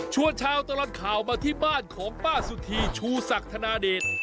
ชาวตลอดข่าวมาที่บ้านของป้าสุธีชูศักดิ์ธนาเดช